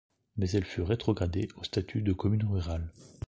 Mais elle fut rétrogradée au statut de commune rurale.